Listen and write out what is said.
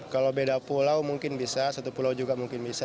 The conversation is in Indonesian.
kalau beda pulau mungkin bisa satu pulau juga mungkin bisa